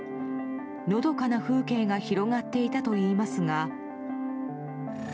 のどかな風景が広がっていたといいますが。